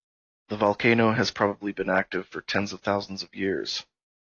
The volcano has probably been active for tens of thousands of years.